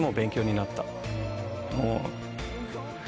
もう。